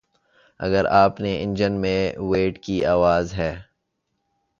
اگر آپ کے انجن میں ویٹ کی آواز ہے